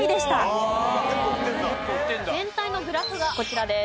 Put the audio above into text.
全体のグラフがこちらです。